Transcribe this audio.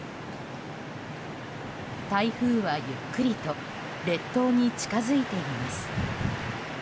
台風はゆっくりと列島に近づいています。